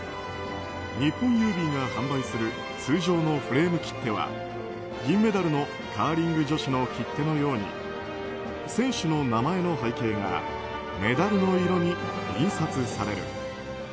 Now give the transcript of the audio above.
日本郵便が販売する通常のフレーム切手は銀メダルのカーリング女子の切手のように選手の名前の背景がメダルの色に印刷される。